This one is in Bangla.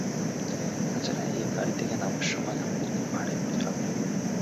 তাছাড়া, এই গাড়ি থেকে নামার সময় আমাদেরকে ভাঁড়ের মতো লাগবে।